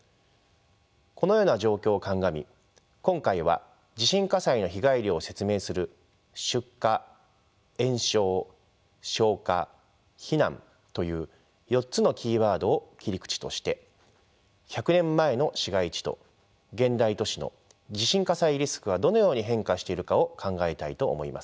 このような状況を鑑み今回は地震火災の被害量を説明する出火延焼消火避難という４つのキーワードを切り口として１００年前の市街地と現代都市の地震火災リスクがどのように変化しているかを考えたいと思います。